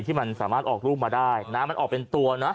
ที่มันสามารถออกรูปมาได้นะมันออกเป็นตัวนะ